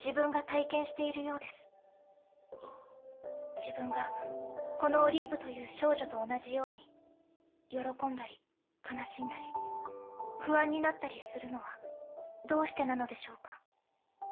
自分がこのオリーブという少女と同じように喜んだり悲しんだり不安になったりするのはどうしてなのでしょうか？